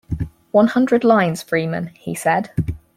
"One hundred lines, Freeman," he said.